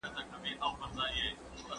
له شتمنو څخه په قوت سره مال اخيستل کېږي.